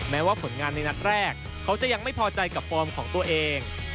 แม้ว่าผลงานในนัดแรกเขาจะยังไม่พอใจกับฟอร์มของตัวเอง